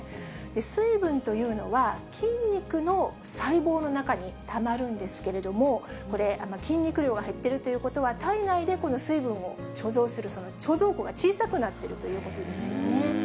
水分というのは、筋肉の細胞の中にたまるんですけれども、筋肉量が減っているということは、体内でこの水分を貯蔵する、貯蔵庫が小さくなっているということですよね。